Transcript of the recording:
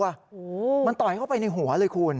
โอ้โหมันต่อยเข้าไปในหัวเลยคุณ